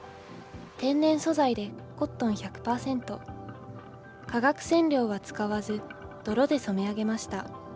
天然素材で、コットン１００％、化学染料は使わず、泥で染め上げました。